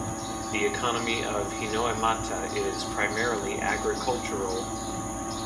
The economy of Hinoemata is primarily agricultural.